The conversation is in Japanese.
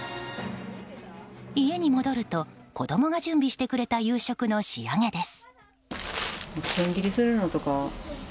家に戻ると子供が準備してくれた夕食の仕上げです。